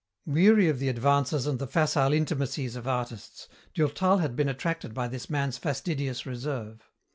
Weary of the advances and the facile intimacies of artists, Durtal had been attracted by this man's fastidious reserve.